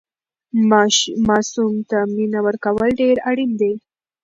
ماسوم ته مینه ورکول ډېر اړین دي.